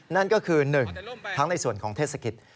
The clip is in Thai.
นั่นก็คือ๑ทั้งในส่วนของเทศกิจ